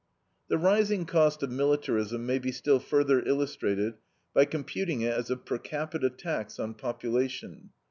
The rising cost of militarism may be still further illustrated by computing it as a per capita tax on population.